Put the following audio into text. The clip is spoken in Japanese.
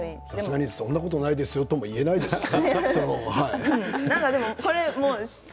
さすがにそんなこともないですよとも言えないですね。